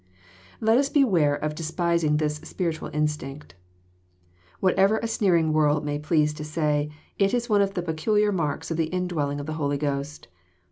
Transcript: Let us beware of despising this spiritual instinct. What* ever a sneering world may please to say, it is one of the peculiar marks of the indwelling of the Holy Ghost.